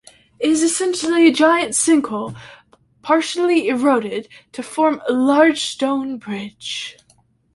It is essentially a giant sinkhole partially eroded to form a large stone bridge.